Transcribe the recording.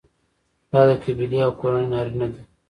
دا د قبیلې او کورنۍ نارینه دي.